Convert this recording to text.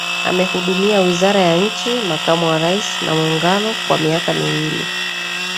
Amehudumia wizara ya nchi makamu wa Rais na muungano kwa miaka miwili